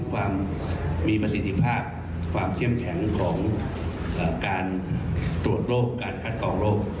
ความมีประสิทธิภาพความเข้มแข็งของการตรวจโรคการคัดกองโรค